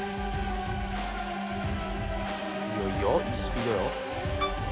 いいよいいよいいスピードよ。